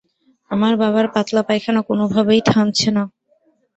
আমার বাবার পাতলা-পায়খানা কোন ভাবেই থামছে না।